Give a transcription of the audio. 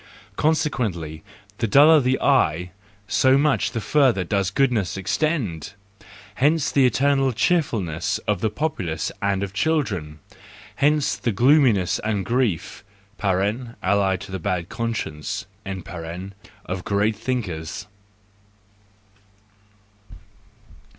Consequently, the duller the eye so much the further does goodness extend ! Hence the eternal cheerfulness of the populace and of children ! Hence the gloominess and grief (allied to the bad conscience) of great thinkers.